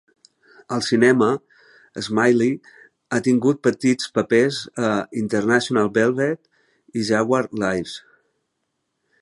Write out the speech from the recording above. Al cinema, Smillie ha tingut petits papers a "International Velvet" i "Jaguar Lives!".